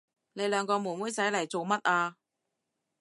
你兩個妹妹仔嚟做乜啊？